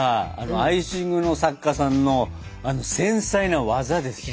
アイシングの作家さんの繊細な技ですよ。